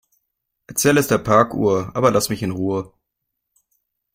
Erzähl es der Parkuhr, aber lass mich in Ruhe.